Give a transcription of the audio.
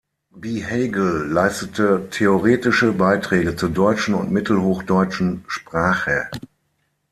Behaghel leistete theoretische Beiträge zur deutschen und mittelhochdeutschen Sprache.